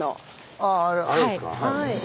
あああれですか。